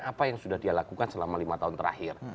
apa yang sudah dia lakukan selama lima tahun terakhir